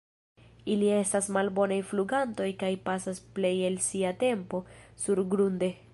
Ili estas malbonaj flugantoj kaj pasas plej el sia tempo surgrunde.